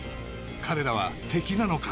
彼らは敵なのか？